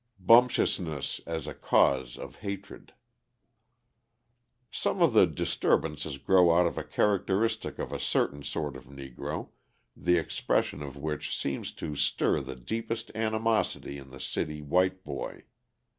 Bumptiousness as a Cause of Hatred Some of the disturbances grow out of a characteristic of a certain sort of Negro, the expression of which seems to stir the deepest animosity in the city white boy.